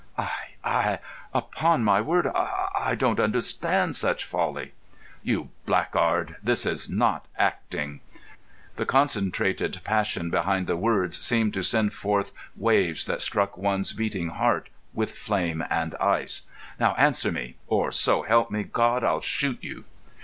"I—I—— Upon my word, I—don't understand such folly." "You blackguard! This is not acting." The concentrated passion behind the words seemed to send forth waves that struck one's beating heart with flame and ice. "Now answer me, or—so help me, God!—I'll shoot you."